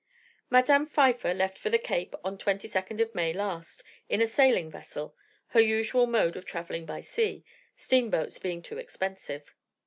"Madame Pfeiffer left for the Cape, on the 22nd of May last, in a sailing vessel her usual mode of travelling by sea, steamboats being too expensive.